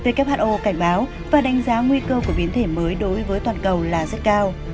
who cảnh báo và đánh giá nguy cơ của biến thể mới đối với toàn cầu là rất cao